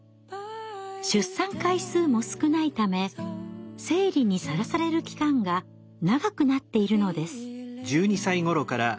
出産回数も少ないため生理にさらされる期間が長くなっているのです。